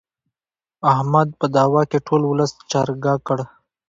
احمد په دعوه کې ټول ولس چرګه کړ.